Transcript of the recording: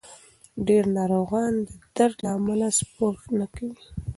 ډېر ناروغان د درد له امله سپورت نه کوي.